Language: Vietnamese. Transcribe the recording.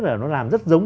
là nó làm rất giống